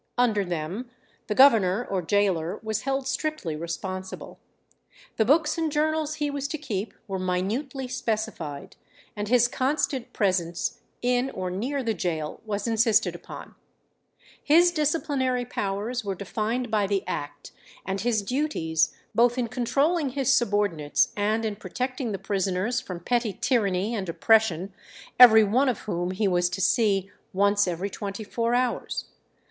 Under them the governor or gaoler was held strictly responsible. The books and journals he was to keep were minutely specified, and his constant presence in or near the gaol was insisted upon. His disciplinary powers were defined by the act, and his duties, both in [Illustration: Interior of Chapel (1880).] controlling his subordinates and in protecting the prisoners from petty tyranny and oppression, every one of whom he was to see once every twenty four hours.